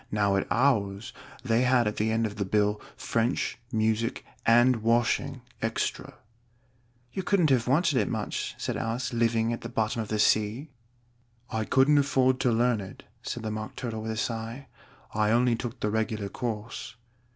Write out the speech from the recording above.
"Now at ours they had at the end of the bill, 'French, music, and washing extra.'" "You couldn't have wanted it much," said Alice; "living at the bottom of the sea." "I couldn't afford to learn it," said the Mock Turtle with a sigh. "I only took the regular course."